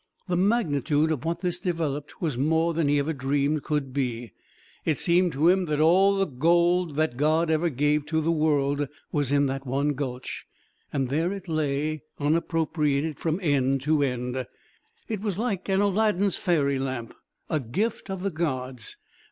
The magnitude of what this developed was more than he ever dreamed could be. It seemed to him that all the gold that God ever gave to the world was in that one gulch, and there it lay unappropriated from end to end. It was like an Aladdin's fairy lamp, a gift of the gods.